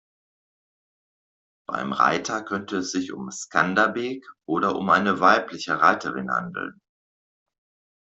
Beim Reiter könnte es sich um Skanderbeg oder um eine weibliche Reiterin handeln.